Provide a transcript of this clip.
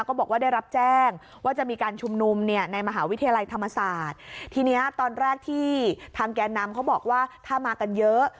ก็บอกว่าได้รับแจ้งว่าจะมีการชุมนุมเนี่ยในมหาวิทยาลัยธรรมศาสตร์ทีเนี้ยตอนแรกที่ทางแก่นำเขาบอกว่าถ้ามากันเยอะ